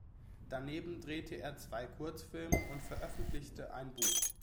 Daneben drehte er zwei Kurzfilme und veröffentlichte ein Buch.